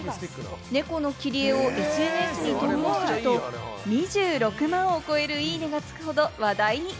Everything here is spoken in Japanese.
ネコの切り絵をＳＮＳに投稿すると２６万を超えるいいねがつくほど話題に。